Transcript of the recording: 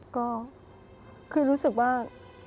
ก็คือรู้สึกว่า